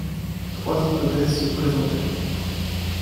Trois hypothèses se présentaient.